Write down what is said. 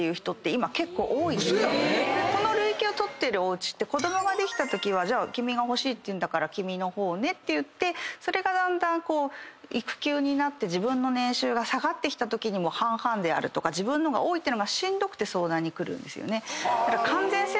この累計を取ってるおうちって子供ができたときは「君が欲しいというから君の方」っていってそれがだんだん育休になって自分の年収が下がってきたときにも半々とか自分のが多いってのがしんどくて相談に来るんです。